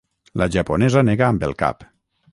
La japonesa nega amb el cap.